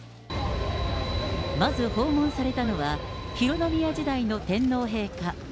まず訪問されたのは、浩宮時代の天皇陛下。